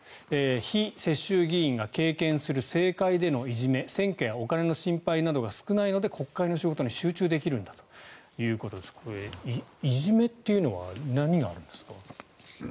非世襲議員が経験する政界でのいじめ選挙やお金の心配などが少ないので国会の仕事に集中できるんだということですがいじめというのは何があるんですか。